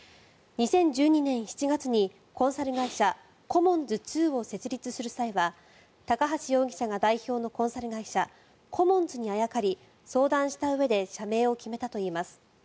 ２０１２年７月にコンサル会社コモンズ２を設立する際は高橋容疑者が代表のコンサル会社コモンズにあやかり相談したうえで社名を決めたといいます。